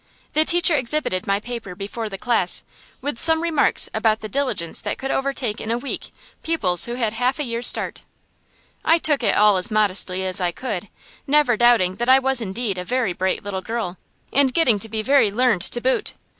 The teacher exhibited my paper before the class, with some remarks about the diligence that could overtake in a week pupils who had had half a year's start. I took it all as modestly as I could, never doubting that I was indeed a very bright little girl, and getting to be very learned to boot.